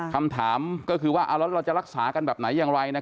คำถามก็คือว่าแล้วเราจะรักษากันแบบไหนอย่างไร